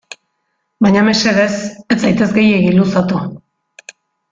Baina mesedez, ez zaitez gehiegi luzatu.